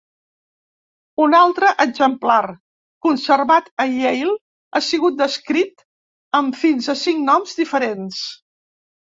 Un altre exemplar, conservat a Yale, ha sigut descrit amb fins a cinc noms diferents.